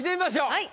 はい。